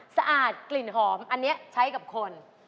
สะอาดกลิ่นหอมอันนี้ใช้กับคน